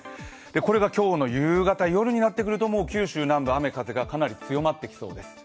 これが今日の夕方、夜になってくると、九州南部、雨風がかなり強まってきそうです。